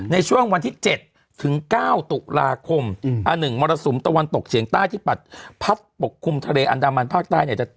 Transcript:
ในช่วงวันที่๗ถึง๙ตุลาคม๑มรสุมตะวันตกเฉียงใต้ที่ปัดพัดปกคลุมทะเลอันดามันภาคใต้เนี่ย